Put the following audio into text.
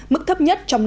mức thấp nhất của thế giới